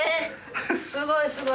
すごいすごい！